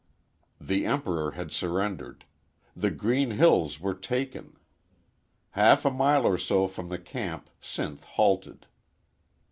The Emperor had surrendered; the green hills were taken. Half a mile or so from the camp Sinth halted.